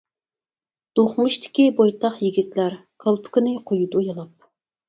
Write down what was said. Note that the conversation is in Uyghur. دوقمۇشتىكى بويتاق يىگىتلەر، كالپۇكىنى قويىدۇ يالاپ.